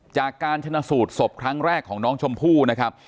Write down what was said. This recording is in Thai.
จากการชนะสูตรศพครั้งแรกของน้องชมพู่นะครับ